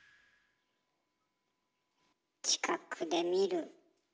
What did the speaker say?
近くで見る。